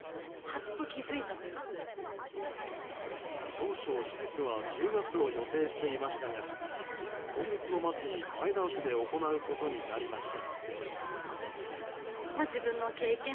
当初手術は１０月を予定していましたが今月の末に前倒しで行うことになりました。